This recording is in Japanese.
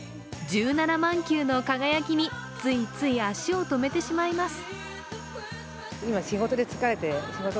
１７万球の輝きについつい足を止めてしまいます。